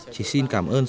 chỉ xin cảm ơn sự quan tâm